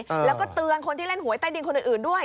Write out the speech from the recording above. แล้วก็เตือนคนที่เล่นหวยใต้ดินคนอื่นอื่นด้วย